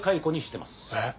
えっ！？